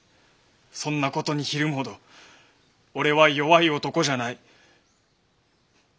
そんなことにひるむほど俺は弱い男じゃない。